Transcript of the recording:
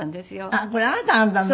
あっこれあなたが編んだの？